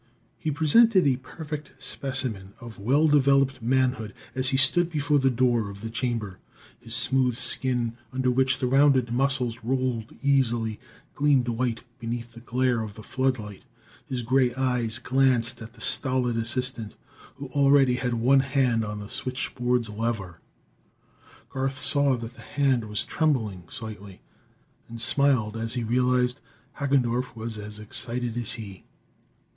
He presented a perfect specimen of well developed manhood as he stood before the door of the chamber. His smooth skin, under which the rounded muscles rolled easily, gleamed white beneath the glare of the floodlight. His gray eyes glanced at the stolid assistant, who already had one hand on the switchboard's lever. Garth saw that the hand was trembling slightly, and smiled as he realized Hagendorff was as excited as he.